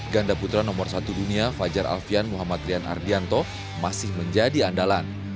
ganda putra nomor satu dunia fajar alfian muhammad rian ardianto masih menjadi andalan